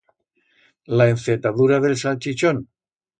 La encetadura d'el salchichón.